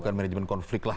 bukan management konflik lah